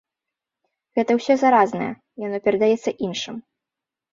Гэта ўсё заразнае, яно перадаецца іншым.